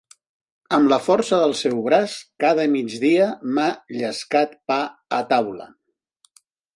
Amb la força del seu braç cada migdia m’ha llescat pa a taula.